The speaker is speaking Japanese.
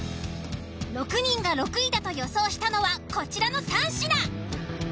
６人が６位だと予想したのはこちらの３品。